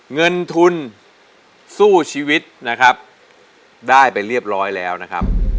เงินทุนสู้ชีวิตนะครับได้ไปเรียบร้อยแล้วนะครับ